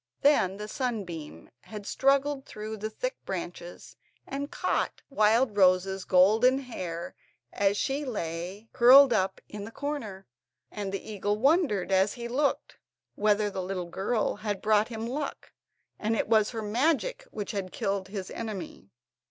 Then the sunbeam had struggled through the thick branches and caught Wildrose's golden hair as she lay curled up in the corner, and the eagle wondered, as he looked, whether the little girl had brought him luck, and it was her magic which had killed his enemy.